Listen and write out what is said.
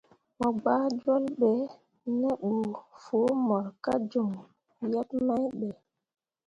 Mo gɓah jol be ne ɓə foo mor ka joŋ yebmain ɗə.